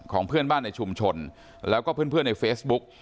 เพื่อนบ้านในชุมชนแล้วก็เพื่อนในเฟซบุ๊ก